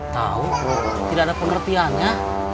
tau tidak ada pengertiannya